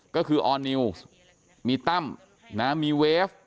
ก็คือออร์นิวส์มีตั้มมีเวฟ